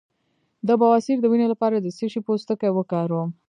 د بواسیر د وینې لپاره د څه شي پوستکی وکاروم؟